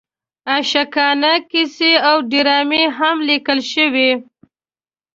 عاشقانه کیسې او ډرامې هم لیکل شوې.